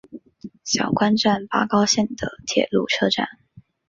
小宫站八高线的铁路车站。